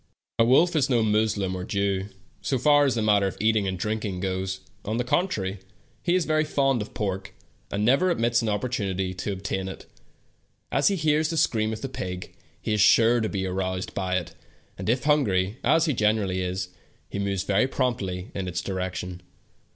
The wolf is no Moslem or Hebrew, so far as the matter of eating and drinking goes ; on the con trary, he is very fond of pork, and never omits an opportunity to obtain it. As he hears the scream of the pig, he is sure to be aroused by it, and if hungry, as he generally is, he moves very prompt!}^ in its direction.